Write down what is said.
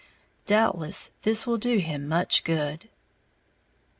Doubtless this will do him much good.